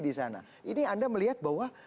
di sana ini anda melihat bahwa